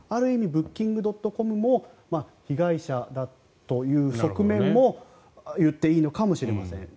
ブッキングドットコムも被害者だという側面も言っていいのかもしれません。